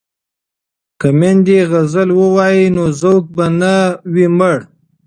که میندې غزل ووايي نو ذوق به نه وي مړ.